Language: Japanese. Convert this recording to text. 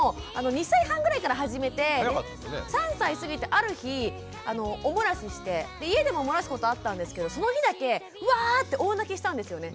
３歳過ぎたある日お漏らしして家でも漏らすことあったんですけどその日だけウワーッて大泣きしたんですよね。